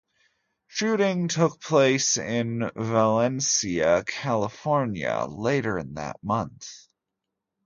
Shooting took place in Valencia, California, later in that month.